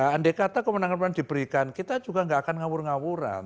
andai kata kemenangan kemenangan diberikan kita juga nggak akan ngawur ngawuran